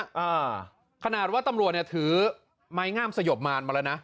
อ่าขนาดว่าตำรวจเนี่ยถือไม้งามสยบมารมาแล้วนะ